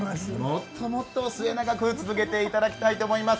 もっともっと末永く続けていただきたいと思います。